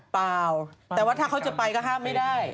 เปล่าแต่ว่าถ้าเขาจะไปก็ห้ามไม่ได้